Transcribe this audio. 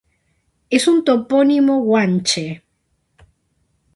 Es un topónimo guanche.